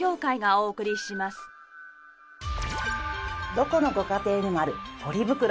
どこのご家庭にもあるポリ袋。